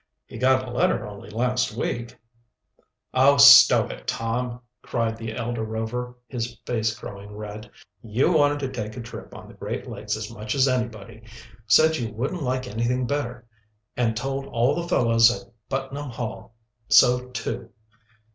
He got a letter only last week " "Oh, stow it, Tom!" cried the elder Rover, his face growing red. "You wanted to take a trip on the Great Lakes as much as anybody said you wouldn't like anything better, and told all the fellows at Putnam Hall so, too."